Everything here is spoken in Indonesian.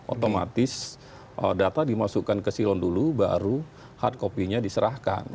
otomatis data dimasukkan ke silon dulu baru hard copy nya diserahkan